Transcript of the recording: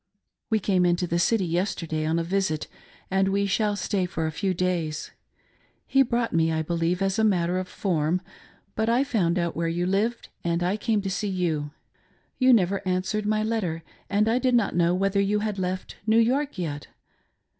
We came into the city yesterdayon a visit, and we shall stay for a few days. He brought me, I believe, as a matter of form ; but I found out where you lived, and I came to see you. You never answered my letter and I did not know whether you had left New York yet.